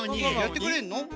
やってくれんの？